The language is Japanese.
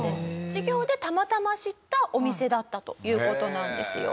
授業でたまたま知ったお店だったという事なんですよ。